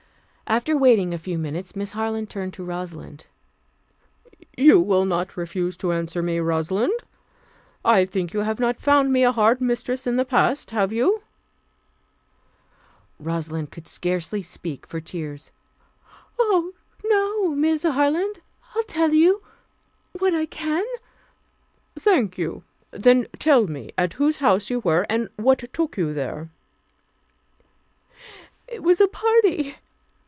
After waiting a few minutes, Miss Harland turned to Rosalind. "You will not refuse to answer me, Rosalind? I think you have not found me a hard mistress in the past, have you?" Rosalind could scarcely speak for tears. "Oh, no, Miss Harland. I'll tell you what I can " "Thank you. Then tell me at whose house you were, and what took you there?" "It was a party.